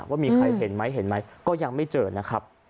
ว่ามีใครเห็นไหมเห็นไหมก็ยังไม่เจอนะครับ